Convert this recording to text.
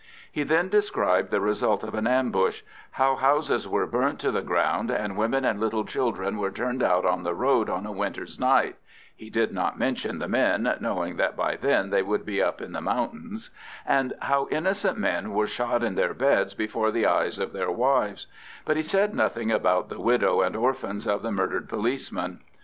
He then described the result of an ambush—how houses were burnt to the ground and women and little children were turned out on the road on a winter's night (he did not mention the men, knowing that by then they would be up in the mountains), and how innocent men were shot in their beds before the eyes of their wives; but he said nothing about the widows and orphans of the murdered policemen.